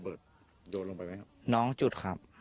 กี่ลูกครับ